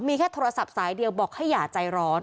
มีแค่โทรศัพท์สายเดียวบอกให้อย่าใจร้อน